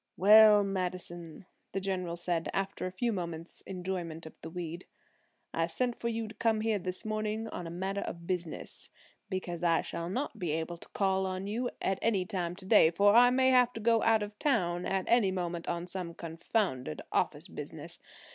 "Well, Madison," the General said, after a few moments' enjoyment of the weed, "I sent for you to come here this morning on a matter of business, because I shall not be able to call on you at any time today, for I may have to go out of town at any moment on some confounded office business.